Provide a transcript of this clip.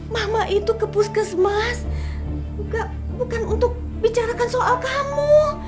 mama itu ke puskesmas juga bukan untuk bicarakan soal kamu